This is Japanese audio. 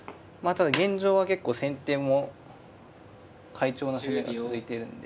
ただ現状は結構先手も快調な攻めが続いているんで。